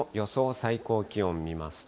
最高気温見ますと。